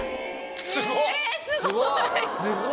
えすごい！